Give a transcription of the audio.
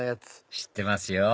知ってますよ